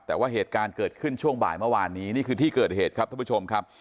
แต่ว่าเหตุการณ์เกิดขึ้นช่วงบ่ายเมื่อวานนี้นี่คือที่เกิดเหตุครับท่านผู้ชมครับ